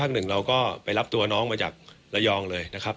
หนึ่งเราก็ไปรับตัวน้องมาจากระยองเลยนะครับ